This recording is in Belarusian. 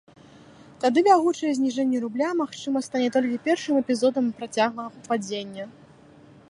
Тады бягучае зніжэнне рубля, магчыма, стане толькі першым эпізодам працяглага падзення.